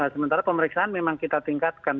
sementara pemeriksaan memang kita tingkatkan